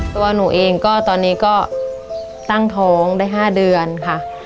ตัวหนูเองก็ตอนนี้ก็ตั้งท้องได้๕เดือนค่ะ